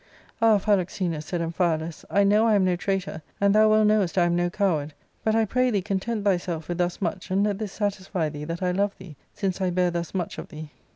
*Ah, Philoxesus,' said Amphi^biS, 'll know I am no traitor, and thou well knowest I am no coward : I but I pray thee content thyself with thus much, and let this satisfy thee that I love thee, since I bear thus much of thee.'